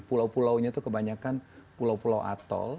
pulau pulaunya itu kebanyakan pulau pulau atol